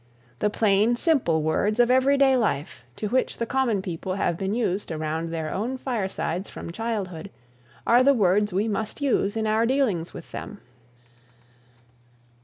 The plain, simple words of everyday life, to which the common people have been used around their own firesides from childhood, are the words we must use in our dealings with them.